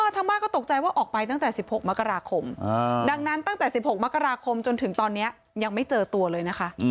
ทางบ้านก็ตกใจว่าออกไปตั้งแต่๑๖มกราคมดังนั้นตั้งแต่๑๖มกราคมจนถึงตอนนี้ยังไม่เจอตัวเลยนะคะ